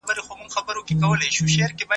د دوکتورا برنامه په زوره نه تحمیلیږي.